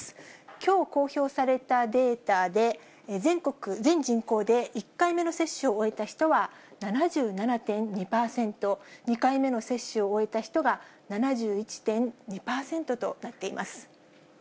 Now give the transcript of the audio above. きょう公表されたデータで、全国、全人口で１回目の接種を終えた人は７７．２％、２回目の接種を終えた人が７１．２％となっています。